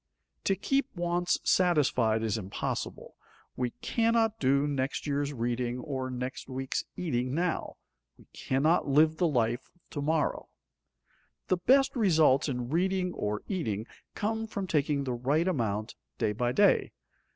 To keep wants satisfied is impossible; we cannot do next year's reading or next week's eating now; we cannot live the life of to morrow. The best results in reading or eating come from taking the right amount day by day.